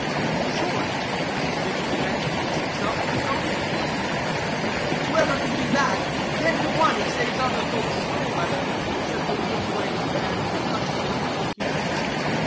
In short, the suspicious man kicks himself with his own foot." "Whoever can do that, ten to one he saves other folks' sole leather," said the wooden legged man with a crusty attempt at humor.